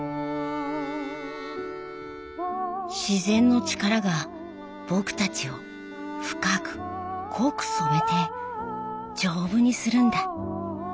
自然の力が僕たちを深く濃く染めて丈夫にするんだ。